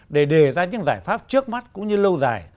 để đề ra những giải pháp trước mắt cũng như lâu dài